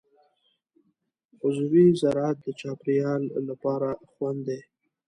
عضوي زراعت د چاپېریال لپاره خوندي دی.